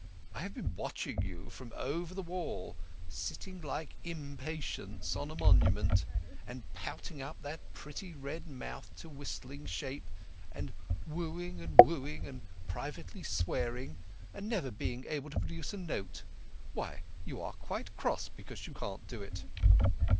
I have been watching you from over the wall—sitting like Im patience on a monument, and pouting up that pretty red mouth to whistling shape, and whooing and whooing, and privately swearing, and never being able to produce a note. Why, you are quite cross because you can't do it."